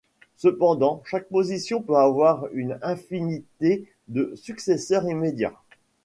Cependant, chaque position peut avoir une infinité de successeurs immédiats.